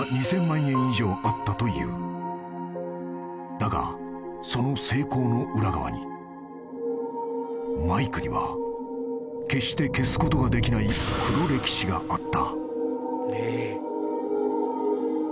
［だがその成功の裏側にマイクには決して消すことができない黒歴史があった］